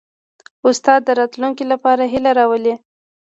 استاد د راتلونکي لپاره هیله راولي.